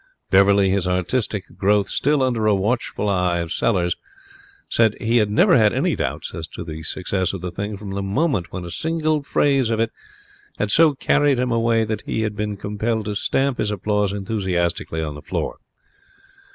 Beverley, his artistic growth still under a watchful eye of Sellers, said he had never had any doubts as to the success of the thing from the moment when a single phrase in it had so carried him away that he had been compelled to stamp his applause enthusiastically on the floor.